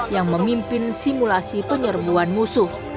yang memimpin simulasi penyerbuan musuh